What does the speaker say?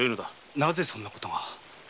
なぜそんな事が？